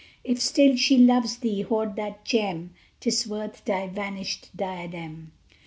If still she loves thee, hoard that gem 'Tis worth thy vanished diadem!